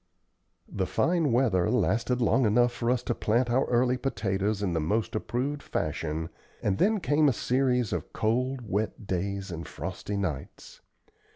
The fine weather lasted long enough for us to plant our early potatoes in the most approved fashion, and then came a series of cold, wet days and frosty nights.